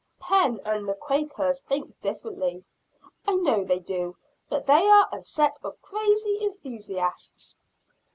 "Penn and the Quakers think differently." "I know they do but they are a set of crazy enthusiasts."